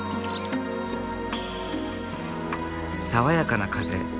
爽やかな風